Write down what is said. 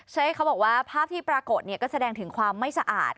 เขาบอกว่าภาพที่ปรากฏก็แสดงถึงความไม่สะอาด